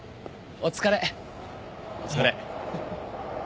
お疲れ。